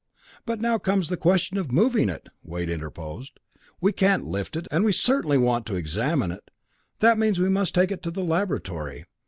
"But now comes the question of moving it," Wade interposed. "We can't lift it, and we certainly want to examine it. That means we must take it to the laboratory.